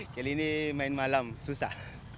kali ini main malam susah